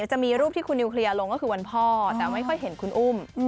จะมีรูปที่คุณนิวเคลียร์ลงก็คือวันพ่อแต่ไม่ค่อยเห็นคุณอุ้ม